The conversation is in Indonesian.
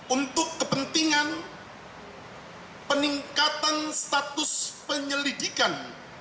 untuk kepentingan peningkatan status penyelidikan